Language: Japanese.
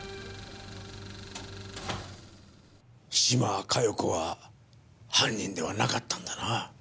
島加代子は犯人ではなかったんだな。